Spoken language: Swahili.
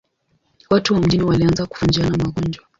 Watu wa mjini walianza kufa njaa na magonjwa.